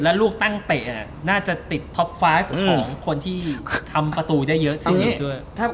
แล้วลูกตั้งเตะน่าจะติดท็อปไฟฟ์ของคนที่ทำประตูได้เยอะที่สุดด้วย